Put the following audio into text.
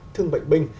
thương bệnh binh